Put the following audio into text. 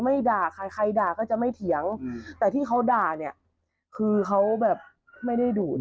ด่าใครใครด่าก็จะไม่เถียงแต่ที่เขาด่าเนี่ยคือเขาแบบไม่ได้ดูด